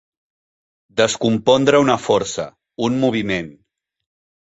Descompondre una força, un moviment.